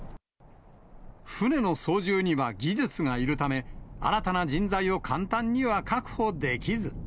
船の操縦には技術がいるため、新たな人材を確保できず。